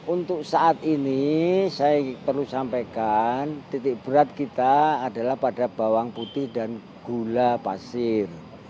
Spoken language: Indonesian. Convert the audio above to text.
untuk saat ini saya perlu sampaikan titik berat kita adalah pada bawang putih dan gula pasir